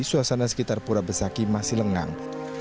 suasana sekitar pura besaki masih lengang